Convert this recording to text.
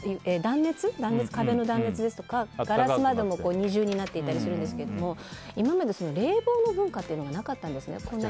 壁の断熱ですとかガラス窓も二重になってたりするんですけど今まで冷房の文化がなかったんです。